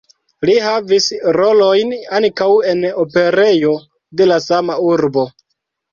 Li havis rolojn ankaŭ en operejo de la sama urbo.